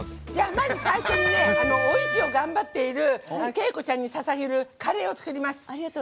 まず、最初にお市を頑張っている景子ちゃんにささげるカレーを作ります。